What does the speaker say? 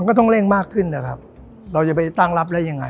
ก็ต้องเร่งมากขึ้นนะครับเราจะไปตั้งรับได้ยังไง